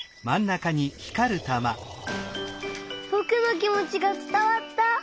ぼくのきもちがつたわった！